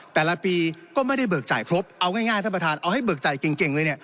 แต่ละปีก็ไม่ได้เบิกจ่ายครบเอาง่ายท่านประธานเอาให้เบิกจ่ายเก่งเลยเนี่ย